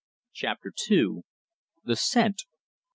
CHAPTER II. THE SCENT.